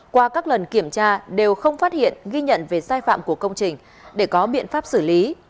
qua các lần kiểm tra đều không phát hiện ghi nhận về sai phạm của công trình để có biện pháp xử lý